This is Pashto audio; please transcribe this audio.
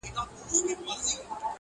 په دې پانوس کي نصیب زر ځله منلی یمه،